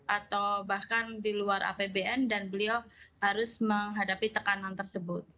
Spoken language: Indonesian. atau bahkan di luar apbn dan beliau harus menghadapi tekanan tersebut